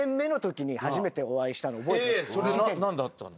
それ何だったの？